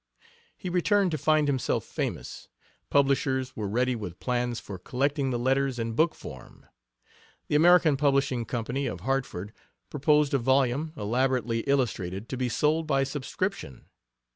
He returned to find himself famous. Publishers were ready with plans for collecting the letters in book form. The American Publishing Company, of Hartford, proposed a volume, elaborately illustrated, to be sold by subscription.